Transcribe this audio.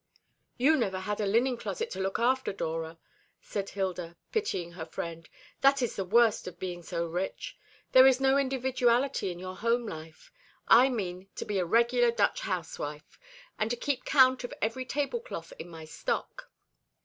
"You never had a linen closet to look after, Dora," said Hilda, pitying her friend. "That is the worst of being so rich. There is no individuality in your home life. I mean to be a regular Dutch housewife, and to keep count of every table cloth in my stock.